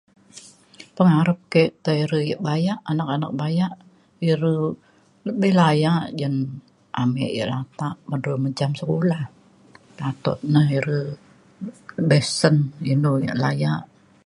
pengarep ke' tai re ya' bayak, anak anak bayak iya re be' layak jan amik ya latak ban de mencam sekula tatuk na ire besen inu ya layak